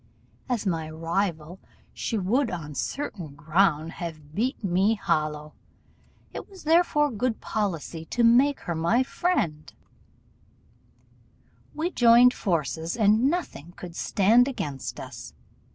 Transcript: As my rival, she would on certain ground have beat me hollow; it was therefore good policy to make her my friend: we joined forces, and nothing could stand against us.